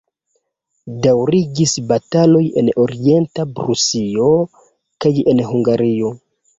Daŭrigis bataloj en Orienta Prusio kaj en Hungario.